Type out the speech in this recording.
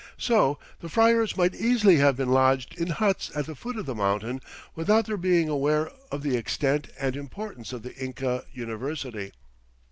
So the friars might easily have been lodged in huts at the foot of the mountain without their being aware of the extent and importance of the Inca "university."